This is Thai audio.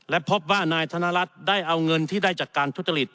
และพบว่านายธนรัฐได้เอาเงินที่ได้จากการทุจริต